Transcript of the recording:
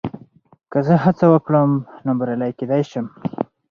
که زه هڅه وکړم، نو بریالی کېدای شم.